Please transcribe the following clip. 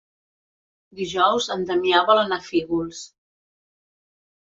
Dijous en Damià vol anar a Fígols.